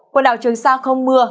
quần đảo trường sa không mưa